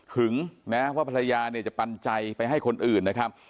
นะว่าภรรยาเนี่ยจะปันใจไปให้คนอื่นนะครับ